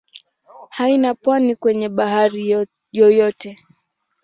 Haina pwani kwenye bahari yoyote.